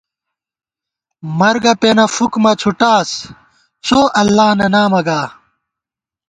مرگہ پېنہ فُک مہ څُھٹاس ، څو اللہ نہ نامہ گا